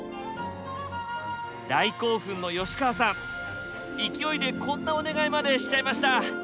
大興奮の吉川さん勢いでこんなお願いまでしちゃいました。